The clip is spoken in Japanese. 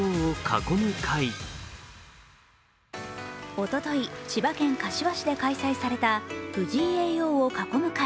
おととい、千葉県柏市で開催された藤井叡王を囲む会。